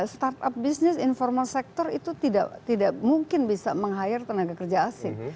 startup business informal sector itu tidak mungkin bisa meng hire tenaga kerja asing